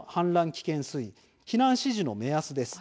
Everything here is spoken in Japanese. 危険水位避難指示の目安です。